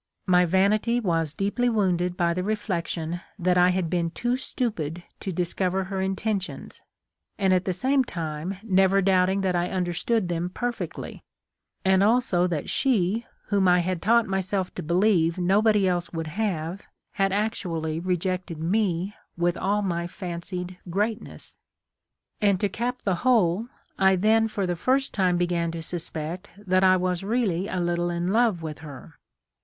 My vanity was deeply wounded by the reflection that I had been too stupid to discover her intentions, and at the same time never doubting that I understood them THE LIFE OF LINCOLN. l6l perfectly ; and also that she, whom I had taught myself to believe nobody else would have, had actually rejected me with all my fancied greatness. And, to cap the whole, I then for the first time began to suspect that I was really a little in love with her.